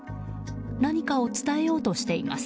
何かを伝えようとしています。